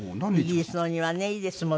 イギリスのお庭ねいいですもんね。